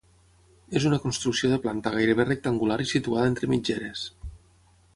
És una construcció de planta gairebé rectangular i situada entre mitgeres.